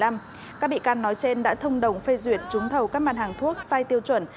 các bị can nói trên đã thông đồng phê duyệt trúng thầu các mặt hàng thuốc sai tiêu chuẩn